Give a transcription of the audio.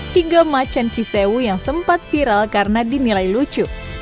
hingga macan cisewu yang sempat viral karena dinilai lucu